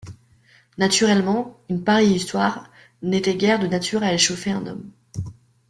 Naturellement, une pareille histoire n’était guère de nature à échauffer un homme.